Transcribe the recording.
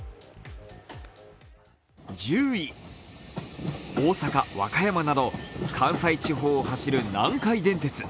１０位、大阪、和歌山など関西地方を走る南海電鉄。